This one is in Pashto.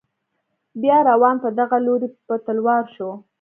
بیا روان په دغه لوري په تلوار شو.